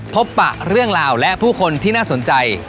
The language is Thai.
ปะเรื่องราวและผู้คนที่น่าสนใจ